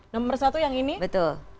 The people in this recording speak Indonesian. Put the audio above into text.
nomor satu yang ini